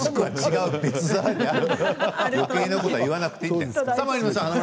よけいなことは言わなくていいの。